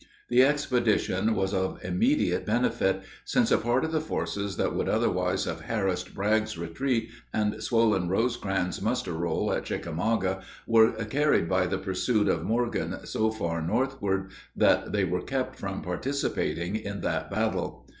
The expedition was of immediate benefit, since a part of the forces that would otherwise have harassed Bragg's retreat and swollen Rosecrans's muster roll at Chickamauga were carried by the pursuit of Morgan so far northward that they were kept from participating in that battle.